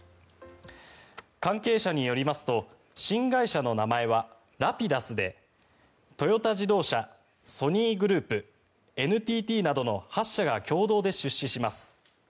関係者によりますと新会社の名前はＲａｐｉｄｕｓでトヨタ自動車、ソニーグループＮＴＴなどの８社が共同で出資します。